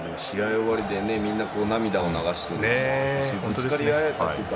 終わりでみんな、涙を流しているのはぶつかり合えたというか